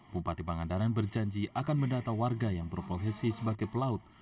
bupati pangandaran berjanji akan mendata warga yang berprofesi sebagai pelaut